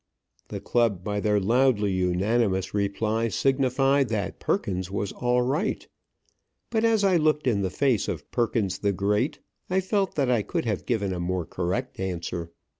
The club, by their loudly unanimous reply, signified that Perkins was all right But as I looked in the face of Perkins the Great, I felt that I could have given a more correct answer.